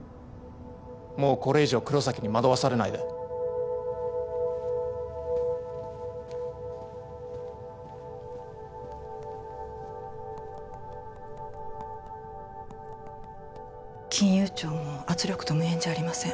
もうこれ以上黒崎に惑わされないで金融庁も圧力と無縁じゃありません